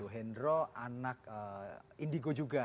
hendro anak indigo juga